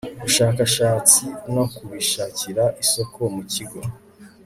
bushakashatsi no kubishakira isoko mu kigo